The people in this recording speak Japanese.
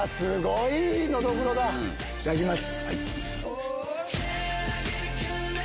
いただきます。